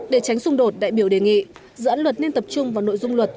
để tránh xung đột đại biểu đề nghị dự án luật nên tập trung vào nội dung luật